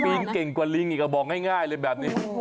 เก่งกว่าลิงอีกบอกง่ายเลยแบบนี้